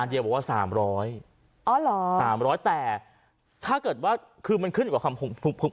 อันเดียวบอกว่าสามร้อยอ๋อเหรอสามร้อยแต่ถ้าเกิดว่าคือมันขึ้นกว่าคำภูมิ